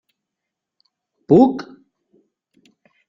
Puc?